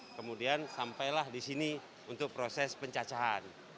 kemudian sampailah di sini untuk proses pencacahan